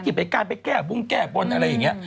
หยิบไอ้การไปแก้บุ้งแก้บบนอะไรอย่างเงี้ย